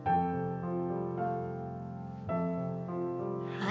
はい。